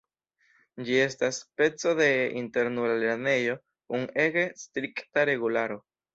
Ĝi estas speco de internula lernejo kun ege strikta regularo.